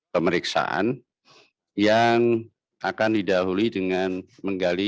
pemeriksaan yang akan didahului dengan menggali